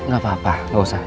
gapapa gak usah